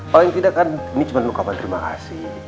paling tidak kan ini cuma ucapan terima kasih